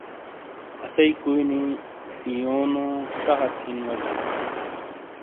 اسئیی کُوئی نی یونو شہ ہت ہِن وزیوں۔